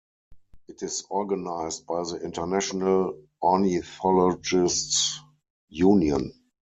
It is organised by the International Ornithologists' Union.